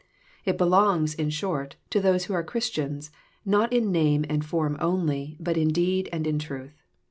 It belongs, in short, to those who are Christians, not in name and form only, but in deed and in truth.